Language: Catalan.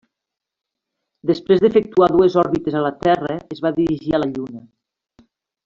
Després d'efectuar dues òrbites a la Terra, es va dirigir a la Lluna.